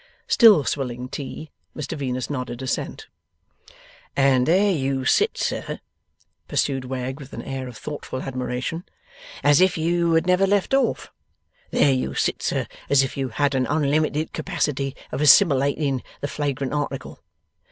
Still swilling tea, Mr Venus nodded assent. 'And there you sit, sir,' pursued Wegg with an air of thoughtful admiration, 'as if you had never left off! There you sit, sir, as if you had an unlimited capacity of assimilating the flagrant article!